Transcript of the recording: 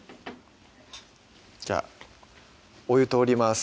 じゃあお湯通ります